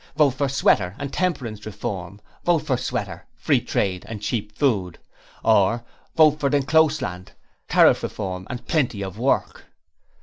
'Vote for Sweater and Temperance Reform.' 'Vote for Sweater Free Trade and Cheap Food.' or 'Vote for D'Encloseland: Tariff Reform and Plenty of Work!'